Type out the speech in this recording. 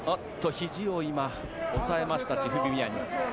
ひじを今、抑えましたチフビミアニ。